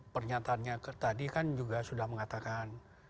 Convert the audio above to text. pernyataannya tadi kan juga sudah mengatakan